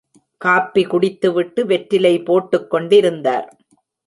Copy குடித்துவிட்டு வெற்றிலை போட்டுக்கொண்டிருந்தார்.